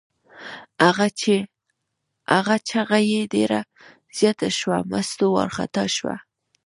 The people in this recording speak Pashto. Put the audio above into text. هغه چغه یې ډېره زیاته شوه، مستو وارخطا شوه.